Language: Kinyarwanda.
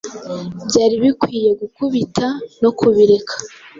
Byari bikwiye gukubita no kubireka